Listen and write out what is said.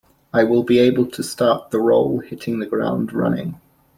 I will be able to start the role hitting the ground running.